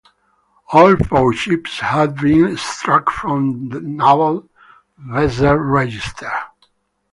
All four ships have been struck from the Naval Vessel Register.